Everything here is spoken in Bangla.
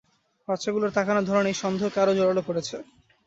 বাচ্চাগুলোর তাকানোর ধরন এই সন্দেহকে আরো জোরালো করেছে।